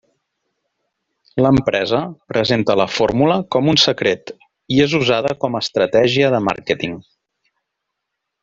L'empresa presenta la fórmula com un secret i és usada com a estratègia de màrqueting.